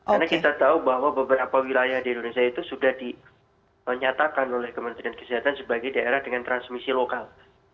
karena kita tahu bahwa beberapa wilayah di indonesia itu sudah dinyatakan oleh kementerian kesehatan sebagai daerah dengan transmisi lokal